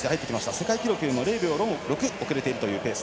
世界記録よりも０秒６遅れているというペース。